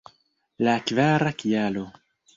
La kvara kialo!